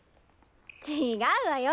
違うわよ。